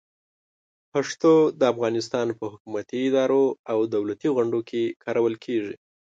پښتو د افغانستان په حکومتي ادارو او دولتي غونډو کې کارول کېږي.